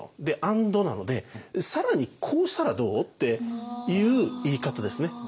でアンドなので「さらにこうしたらどう？」っていう言い方ですね。